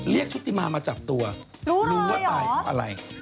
ชุติมามาจับตัวรู้ว่าตายเพราะอะไร